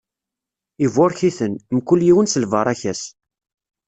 Iburek-iten, mkul yiwen s lbaṛaka-s.